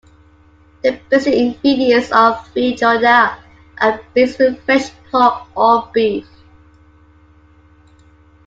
The basic ingredients of feijoada are beans with fresh pork or beef.